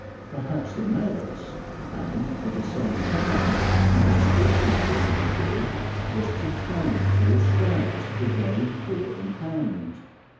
Perhaps the maddest and at the same time most sporting thing he did was to train four stags to go four in hand.